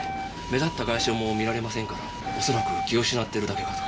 目立った外傷も見られませんから恐らく気を失ってるだけかと。